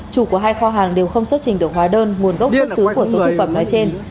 chủ của hai kho hàng đều không xuất trình được hóa đơn nguồn gốc xuất xứ của số thực phẩm nói trên